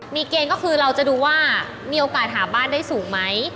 มีเกณฑ์ก็คือเราจะดูว่ามีโอกาสหาบ้านได้สูงไหม